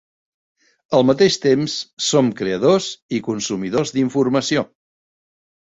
Al mateix temps som creadors i consumidors d'informació.